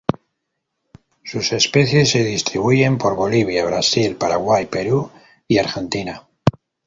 Sus especies se distribuyen por Bolivia, Brasil, Paraguay, Perú y Argentina.